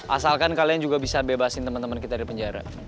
asalkan kalian juga bisa bebasin teman teman kita di penjara